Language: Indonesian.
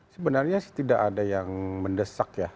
sebenarnya sih tidak ada yang mendesak ya